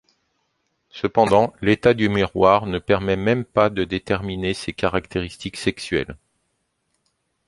Cependant, l'état du miroir ne permet même pas de déterminer ses caractéristiques sexuelles.